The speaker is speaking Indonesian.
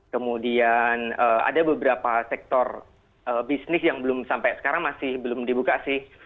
kemudian ada beberapa sektor bisnis yang belum sampai sekarang masih belum dibuka sih